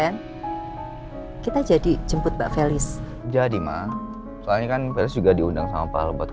ren kita jadi jemput mbak felis jadi mah selain kan beli juga diundang sama pak lebat